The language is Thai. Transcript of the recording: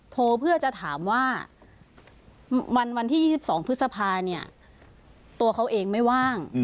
โทรเพื่อจะถามว่าวันที่๒๒พฤษภาเนี่ยตัวเขาเองไม่ว่าง